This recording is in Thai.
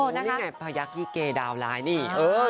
นี่ไงประยักษณ์ยิเกย์ดาวร้ายนี่